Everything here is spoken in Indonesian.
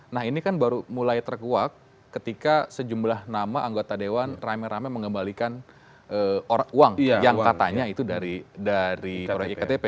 nah ini kan baru mulai terkuak ketika sejumlah nama anggota dewan rame rame mengembalikan uang yang katanya itu dari proyek iktp